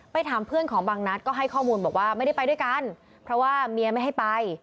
ถามเพื่อนของบางนัดก็ให้ข้อมูลบอกว่าไม่ได้ไปด้วยกันเพราะว่าเมียไม่ให้ไป